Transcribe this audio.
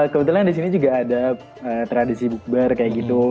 kebetulan di sini juga ada tradisi bukber kayak gitu